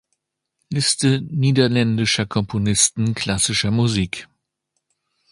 Liste niederländischer Komponisten klassischer Musik